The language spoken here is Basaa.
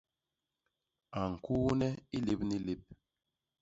A ñkuune i lép ni lép.